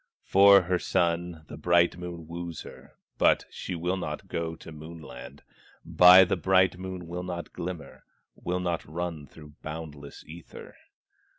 For her son, the bright Moon wooes her, But she will not go to Moon land, By the bright Moon will not glimmer, Will not run through boundless ether.